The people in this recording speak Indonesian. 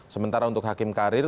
sementara untuk hakim karir